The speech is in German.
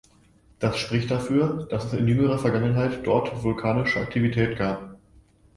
Das spricht dafür, dass es in jüngerer Vergangenheit dort vulkanische Aktivität gab.